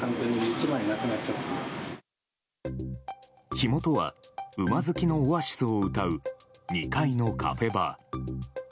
火元は馬好きのオアシスをうたう２階のカフェバー。